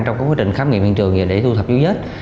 trong quá trình khám nghiệm hiện trường để thu thập dấu vết